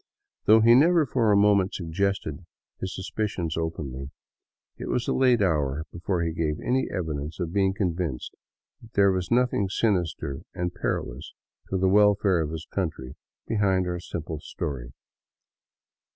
Though he never for a moment suggested his suspicions openly, it was a late hour before he gave any evidence of being convinced that there was nothing sinister and perilous to the welfare of his country be hind our simple story.